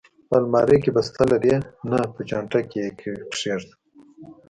په المارۍ کې، بسته لرې؟ نه، په چانټه کې یې کېږده.